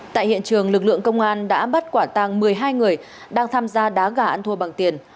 tại hiện trường lực lượng công an đã bắt quả tàng một mươi hai người đang tham gia đá gà ăn thua bằng tiền